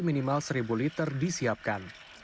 minimal seribu liter disiapkan